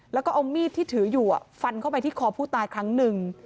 แล้วก็เอามีดที่ถืออยู่ฟันเข้าไปที่คอผู้ตายครั้งหนึ่ง